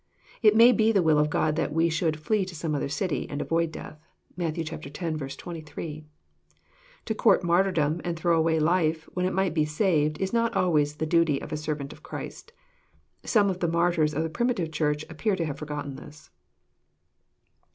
It may be the will of God that we should " flee to some other city *' and avoid death. (Matthew x. 23.) To court martyr dom and throw away life, when it might be saved, is not always the duty of a servant of Christ. Some of the martyrs of the primitive Church appear to have forgotten this.